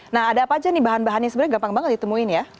nah ada apa aja nih bahan bahannya sebenarnya gampang banget ditemuin ya